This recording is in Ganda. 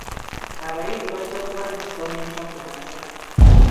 Abayizi bajja kuba n'essomo enkya kumakya.